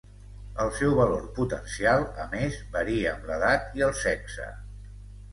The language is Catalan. El seu valor potencial, a més, varia amb l'edat i el sexe.